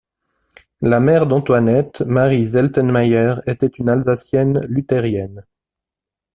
La mère d'Antoinette, Marie Seltenmeyer, était une Alsacienne luthérienne.